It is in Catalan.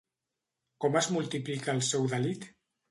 Com es multiplica el seu delit?